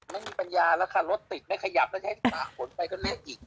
ไม่มีปัญญาแล้วค่ะรถติดไม่ขยับแล้วจะให้ฝาขนไปก็เรียกอีก